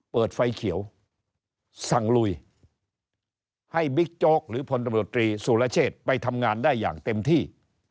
เปิดไฟเขียวสั่งลุยให้บิ๊กโจ๊กหรือพลตำรวจตรีสุรเชษไปทำงานได้อย่างเต็มที่